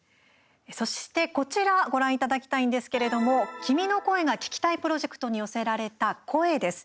そして、こちらご覧いただきたいんですけれども君の声が聴きたいプロジェクトに寄せられた声です。